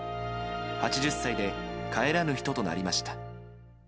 ８０歳で帰らぬ人となりました。